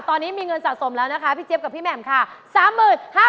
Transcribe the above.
ตอนนี้มีเงินสะสมแล้วนะคะพี่เจี๊ยกับพี่แหม่มค่ะ